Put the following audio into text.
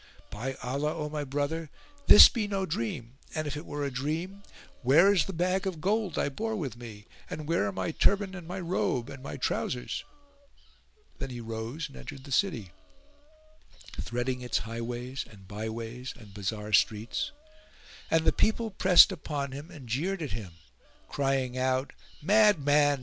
By Allah, O my brother, this be no dream, and if it were a dream, where is the bag of gold I bore with me and where are my turband and my robe, and my trousers?" Then he rose and entered the city, threading its highways and by ways and bazar streets; and the people pressed upon him and jeered at him, crying out "Madman!